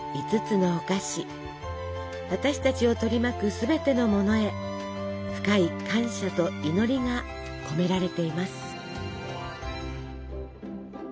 私たちを取り巻くすべてのものへ深い感謝と祈りが込められています。